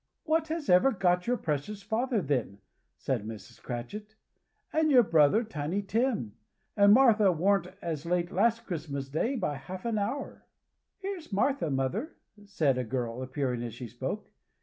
"What has ever got your precious father, then?" said Mrs. Cratchit. "And your brother, Tiny Tim! And Martha warn't as late last Christmas Day by half an hour!" "Here's Martha, mother," said a girl appearing as she spoke.